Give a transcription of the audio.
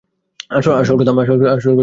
আসলে, কথা একটু ব্যক্তিগত।